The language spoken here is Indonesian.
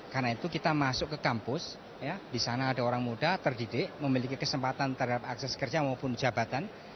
karena itu kita masuk ke kampus di sana ada orang muda terdidik memiliki kesempatan terhadap akses kerja maupun jabatan